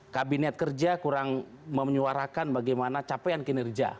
kabinet kerja kurang menyuarakan bagaimana capaian kinerja